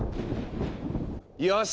よし！